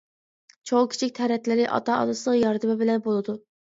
چوڭ-كىچىك تەرەتلىرى ئاتا-ئانىسىنىڭ ياردىمى بىلەن بولىدۇ.